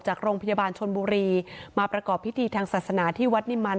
จากโรงพยาบาลชนบุรีมาประกอบพิธีทางศาสนาที่วัดนิมัน